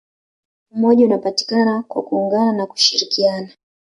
umoja unapatikana kwa kuungana na kushirikiana